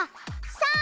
さあ！